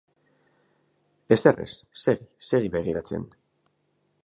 Ezer ez, segi, segi begiratzen...